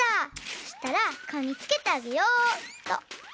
そしたらかおにつけてあげようっと！